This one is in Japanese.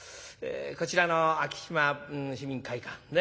こちらの昭島市民会館ね